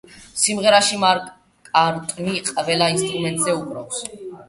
სიმღერაში მაკ-კარტნი ყველა ინსტრუმენტზე უკრავს.